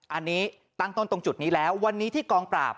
อันนี้ตั้งต้นตรงจุดนี้แล้ววันนี้ที่กองปราบ